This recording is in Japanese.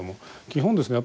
基本ですね